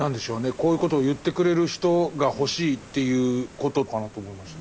こういうことを言ってくれる人が欲しいということかなと思いました。